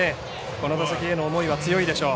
この打席への思いは強いでしょう。